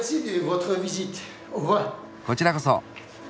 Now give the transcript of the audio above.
こちらこそ。